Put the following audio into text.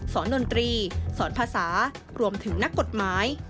ดนตรีสอนภาษารวมถึงนักกฎหมาย